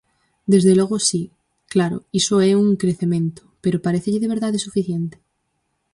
Desde logo, si, claro, iso é un crecemento, ¿pero parécelle, de verdade, suficiente?